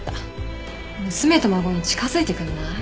娘と孫に近づいてくんない？